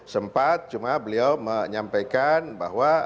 sempat cuma beliau menyampaikan bahwa